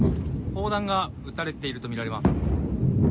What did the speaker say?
砲弾が撃たれているとみられます。